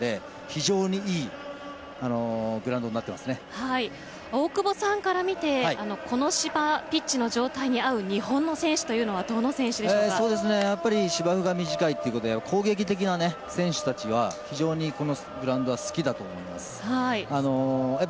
そして、芝生もそこまで長くなくて本当に短いので非常にいいグラウンドに大久保さんから見てこの芝、ピッチの状態に合う日本の選手というのはやっぱり芝生が短いということで攻撃的な選手たちは非常にこのグラウンドは好きだと思います。